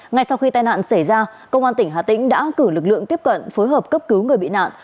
ngay sau khi tai nạn xảy ra công an tỉnh hà tĩnh đã cử lực lượng tiếp cận phối hợp cấp cứu người bị nạn